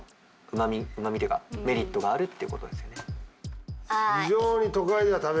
うまみっていうかメリットがあるってことですよね。